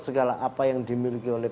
segala apa yang dimiliki oleh